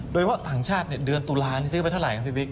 โดยว่าต่างชาติเดือนตุลานี่ซื้อไปเท่าไหร่ครับพี่บิ๊ก